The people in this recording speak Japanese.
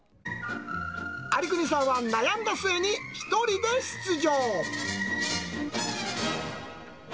有國さんは悩んだ末に１人で出場。